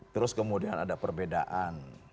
terus kemudian ada perbedaan